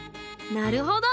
なるほど。